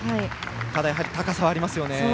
ただ、高さはありますね。